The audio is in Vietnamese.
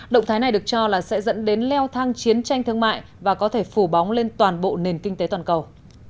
động thái này được cho là sẽ dẫn đến leo thang chiến tranh thương mại và có thể phủ bóng lên toàn bộ nền kinh tế toàn cầu